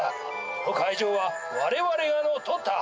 この会場は我々が乗っ取った。